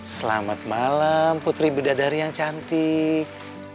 selamat malam putri bidadari yang cantik